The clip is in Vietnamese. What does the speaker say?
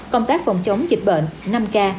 công tác phòng chống dịch bệnh năm k